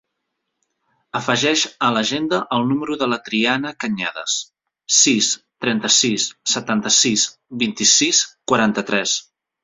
Afegeix a l'agenda el número de la Triana Cañada: sis, trenta-sis, setanta-sis, vint-i-sis, quaranta-tres.